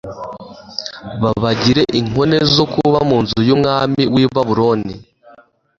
babagire inkone zo kuba mu nzu y'umwami w'i babuloni